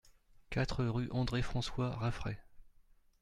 quatre rue André-François Raffray